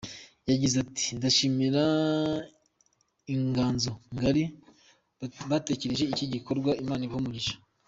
Yagize ati : “Ndashimira Inganzo Ngari batekereje iki gikorwa, Imana ibahe umugisha.